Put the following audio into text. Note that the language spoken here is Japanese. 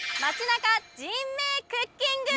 中人名クッキング！